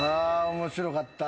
面白かった。